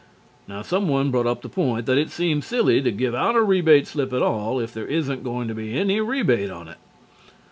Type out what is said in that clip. Now, someone brought up the point that it seems silly to give out a rebate slip at all if there isn't going to be any rebate on it.